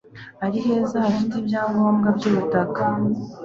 ari heza hafite ibyangombwa by ubutaka